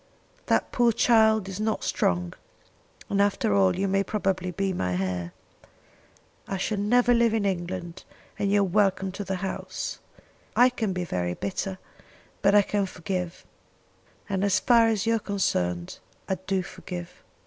That poor child is not strong, and after all you may probably be my heir. I shall never live in England, and you are welcome to the house. I can be very bitter, but I can forgive; and as far as you are concerned I do forgive.